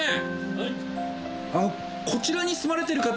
はい。